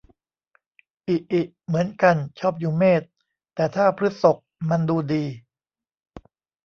อิอิ เหมือนกัน ชอบอยู่เมษ แต่ถ้าพฤษกมันดูดี